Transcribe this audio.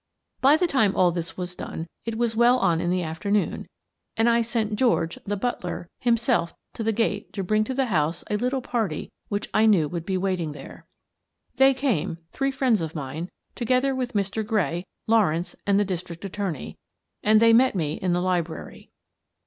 By the time all this was done, it was well on in the afternoon, and I sent George, the butler, himself to the gate to bring to the house a little party which I knew would be waiting there. They came, three friends of mine, together with Mr. Gray, Lawrence, and the district attorney, and they met me in the library.